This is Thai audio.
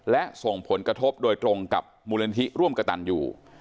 และส่งผลกระทบโดยตรงกับมูลนิธิร่วมกระตันอยู่